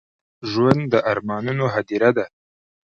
ژوند د ارمانونو هديره ده.